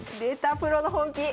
プロの本気。